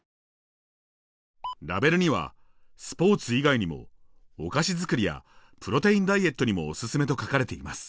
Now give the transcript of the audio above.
ラベルにはスポーツ以外にもお菓子作りやプロテインダイエットにもおすすめと書かれています。